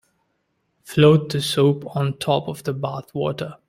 Float the soap on top of the bath water.